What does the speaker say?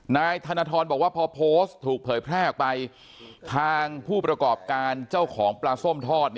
นายธนทรบอกว่าพอโพสต์ถูกเผยแพร่ออกไปทางผู้ประกอบการเจ้าของปลาส้มทอด